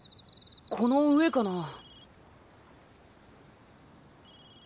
この上かなぁ？